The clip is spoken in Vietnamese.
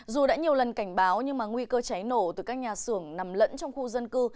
dù đã nhiều lần cảnh báo nhưng mà nguy cơ cháy nổ từ các nhà xưởng nằm lẫn trong khu dân cư